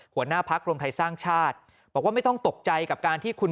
หัวหน้าพักรวมไทยสร้างชาติบอกว่าไม่ต้องตกใจกับการที่คุณ